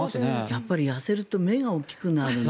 やっぱり痩せると目が大きくなるんだね。